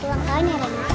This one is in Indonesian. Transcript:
ulang tahunnya rena